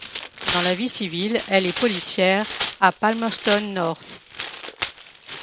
Dans la vie civile, elle est policière à Palmerston North.